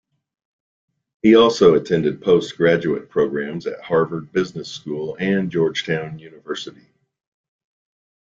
He also attended post-graduate programs at Harvard Business School and Georgetown University.